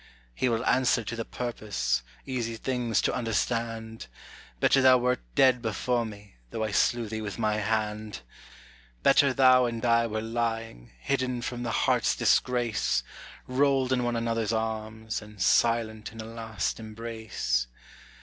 He will answer to the purpose, easy things to understand, Better thou wert dead before me, though I slew thee with my hand. Better thou and I were lying, hidden from the heart's disgrace, Rolled in one another's arms, and silent in a last embrace.